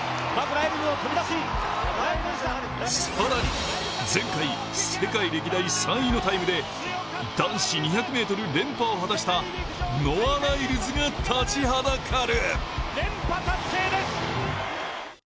更に前回世界歴代３位のタイムで男子２００ｍ連覇を果たした、ノア・ライルズが立ちはだかる。